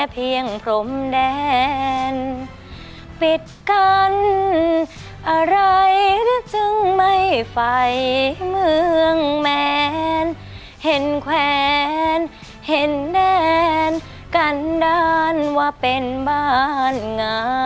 โปรดติดตามตอนต่อไป